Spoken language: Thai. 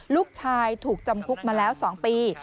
ลูกชายถูกจำคุกมาแล้ว๒ปี